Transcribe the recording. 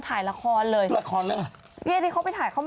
ตัวละครยากเลย